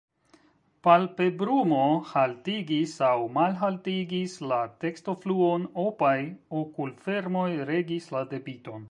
Palpebrumo haltigis aŭ malhaltigis la tekstofluon, opaj okulfermoj regis la debiton.